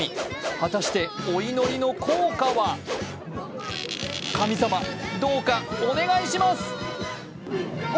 果たしてお祈りの効果は神様、どうかお願いします！